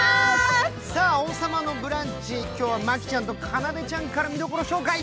さあ、「王様のブランチ」今日はまきちゃんとかなでちゃんからご紹介。